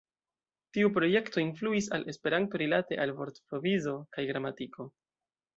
Tiu projekto influis al Esperanto rilate al vortprovizo kaj gramatiko.